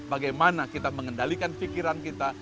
bagaimana kita mengendalikan pikiran kita